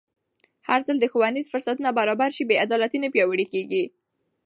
هرځل چې ښوونیز فرصتونه برابر شي، بې عدالتي نه پیاوړې کېږي.